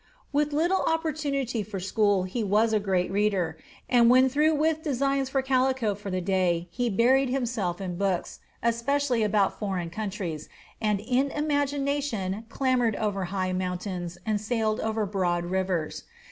With little opportunity for school, he was a great reader; and when through with designs for calico for the day, he buried himself in books, especially about foreign countries, and in imagination clambered over high mountains, and sailed upon broad rivers.